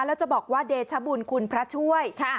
แล้วจะบอกว่าเดชบุญคุณพระช่วย